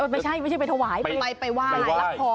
ไม่ใช่ไม่ใช่ไปถวายเป็นไรไปไหว้รักษร